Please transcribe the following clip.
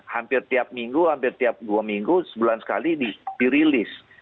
hampir tiap minggu hampir tiap dua minggu sebulan sekali dirilis